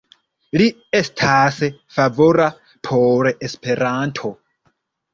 Li estas favora por Esperanto.